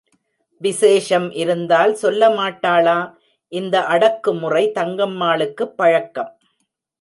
விசேஷம் இருந்தால் சொல்லமாட்டாளா? இந்த அடக்குமுறை தங்கம்மாளுக்குப் பழக்கம்.